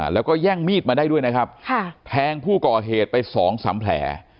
แล้วก็แย่งมีดมาได้ด้วยนะครับแทงผู้ก่อเหตุไปสองสามแผล